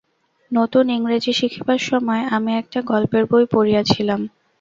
নূতন ইংরেজী শিখিবার সময় আমি একটা গল্পের বই পড়িয়াছিলাম।